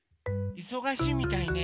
いそがしいみたいね。